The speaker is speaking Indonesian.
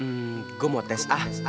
hmm gue mau tes ah